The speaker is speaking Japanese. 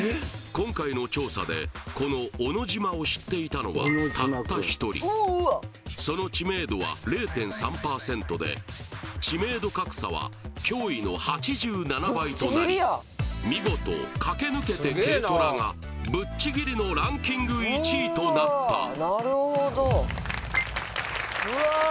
今回の調査でこの小野島を知っていたのはたった１人その知名度は０．３％で知名度格差は驚異の８７倍となり見事駆け抜けて軽トラがぶっちぎりのランキング１位となったうわ